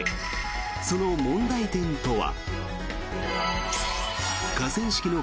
その問題点とは。